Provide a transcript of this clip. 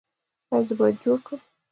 ایا زه باید جوړ کړم؟